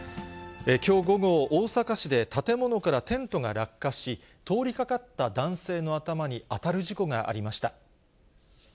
きょう午後、大阪市で建物からテントが落下し、通りかかった男性の頭に当たる事故がありました。